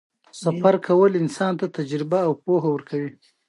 سفر کول انسان ته تجربه او پوهه ورکوي.